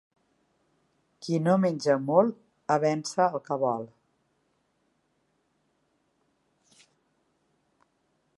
Qui no menja molt avença el que vol.